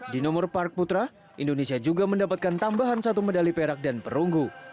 di nomor park putra indonesia juga mendapatkan tambahan satu medali perak dan perunggu